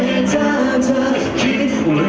อบบนทุกคนและท่านต่อไป